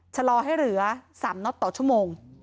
ชะลอให้เหลือ๓น็อตต่อชั่วโมง